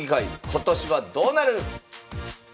今年はどうなる？